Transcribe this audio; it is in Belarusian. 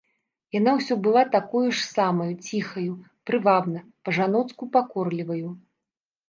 Яна ўсё была такою ж самаю ціхаю, прывабна, па-жаноцку пакорліваю.